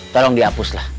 tolong dihapus lah